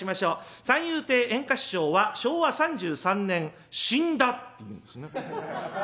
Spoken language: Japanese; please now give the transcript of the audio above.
三遊亭圓歌師匠は昭和３３年しんだ」って言うんですね。